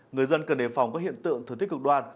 người dân cần đề phòng các hiện tượng thường thích cực đoan